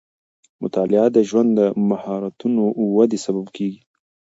مطالعه د ژوند د مهارتونو ودې سبب کېږي.